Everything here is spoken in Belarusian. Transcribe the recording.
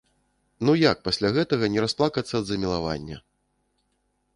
Ну як пасля гэтага не расплакацца ад замілавання!